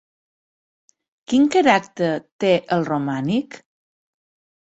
Quin caràcter té el romànic?